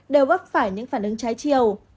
đều bất phải những phản ứng trái chiều